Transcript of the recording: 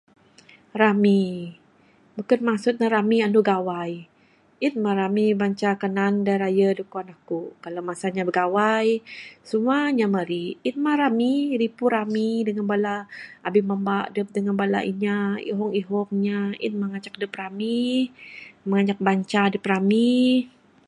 Rami, beken maksud ne rami andu Gawai. En mah rami banca kenan da rayu da kuwan aku'k. Kalau masa nya bigawai, semua nya mari'k. En mah rami. Ripu rami dengan bala abih mamba dup dengan bala inya ihong ihong inya, en mah ngancak dup rami. Muh nak banca dup rami.